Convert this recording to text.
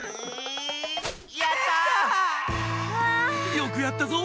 よくやったぞ。